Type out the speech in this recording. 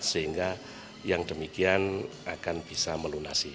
sehingga yang demikian akan bisa melunasi